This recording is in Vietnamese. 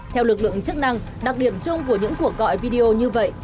theo lực lượng chức năng đặc điểm chung của những cuộc gọi video như vậy